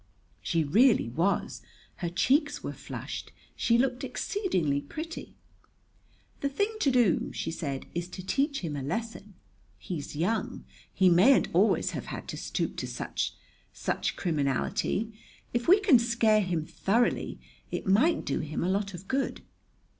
She really was. Her cheeks were flushed. She looked exceedingly pretty. "The thing to do," she said, "is to teach him a lesson. He's young. He mayn't always have had to stoop to such such criminality. If we can scare him thoroughly, it might do him a lot of good."